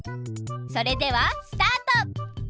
それではスタート！